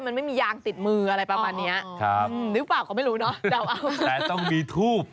มันไม่มียางติดมืออะไรประมาณเนี้ยครับนิ้วปากก็ไม่รู้เนอะแต่ต้องมีทูบ